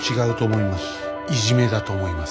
いじめだと思います。